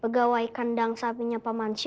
pegawai kendang sapinya pak mansyur